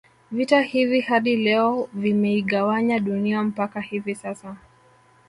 Vita hivi hadi leo vimeigawanya Dunia mpaka hivi sasa